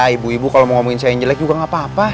ibu ibu kalau mau ngomongin saya yang jelek juga gak apa apa